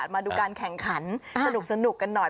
มาดูการแข่งขันสนุกกันหน่อย